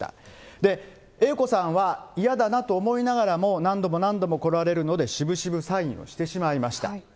で、Ａ子さんは、嫌だなと思いながらも、何度も何度も来られるので、しぶしぶサインをしてしまいました。